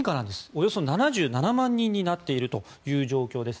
およそ７７万人になっている状況です。